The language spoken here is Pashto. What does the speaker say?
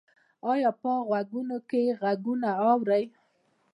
ایا په غوږونو کې غږونه اورئ؟